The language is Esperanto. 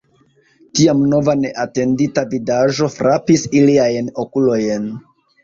Tiam nova neatendita vidaĵo frapis iliajn okulojn.